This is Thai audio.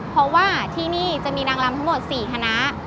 เพราะว่าที่นี่จะมีนางลำทั้งหมด๔คณะ